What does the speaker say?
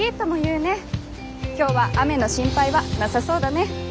今日は雨の心配はなさそうだね。